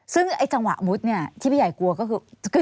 ซึ่งไอ้จังหวะมุดเนี่ยที่พี่ใหญ่กลัวก็คือ